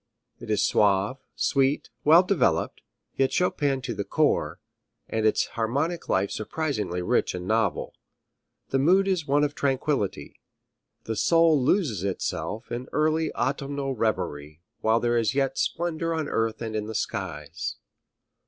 It is suave, sweet, well developed, yet Chopin to the core, and its harmonic life surprisingly rich and novel. The mood is one of tranquillity. The soul loses itself in early autumnal revery while there is yet splendor on earth and in the skies.